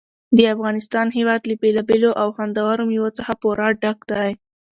د افغانستان هېواد له بېلابېلو او خوندورو مېوو څخه پوره ډک دی.